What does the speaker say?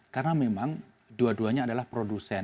karena memang dua duanya adalah produsen